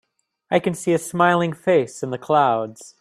I can see a smiling face in the clouds.